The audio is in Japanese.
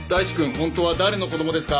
本当は誰の子供ですか？